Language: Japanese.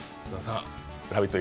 「ラヴィット！」